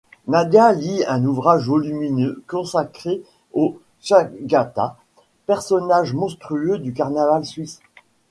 Nadia lit un ouvrage volumineux consacré aux Tschäggättä, personnages monstrueux du Carnaval suisse.